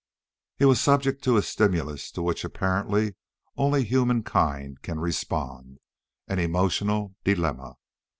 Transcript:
He was subject to a stimulus to which apparently only humankind can respond: an emotional dilemma.